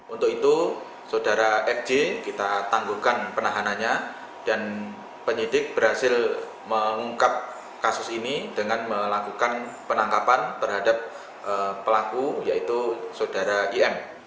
untuk itu saudara fj kita tangguhkan penahanannya dan penyidik berhasil mengungkap kasus ini dengan melakukan penangkapan terhadap pelaku yaitu saudara im